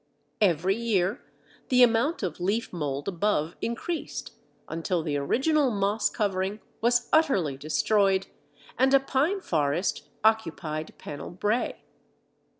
Every year the amount of leaf mould above increased, until the original moss covering was utterly destroyed and a pine forest (see Chap. XXVIII.) occupied Pennell Brae.